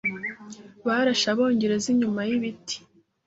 Barashe abongereza inyuma yibiti. )